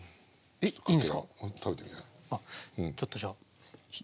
ちょっとじゃあ１つ。